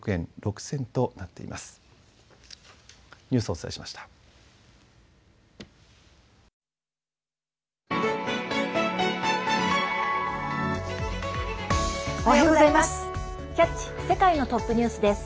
おはようございます。